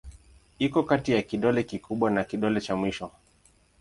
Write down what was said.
Iko kati ya kidole kikubwa na kidole cha mwisho.